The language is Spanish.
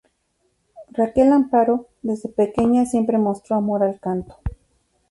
Raquel Amparo, desde pequeña, siempre mostró amor al canto.